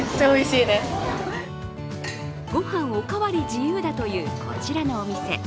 ご飯おかわり自由だという、こちらのお店。